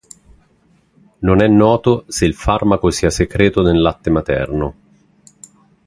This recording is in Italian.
Non è noto se il farmaco sia secreto nel latte materno.